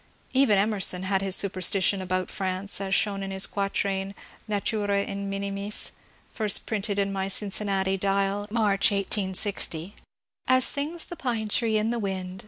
Even Emerson had his superstition about France, — as shown in his quatrain, ^^ Natura in minimis," first printed in my Cincinnati ^^ Dial," March, 1860 :— As sings the pine tree in the wind.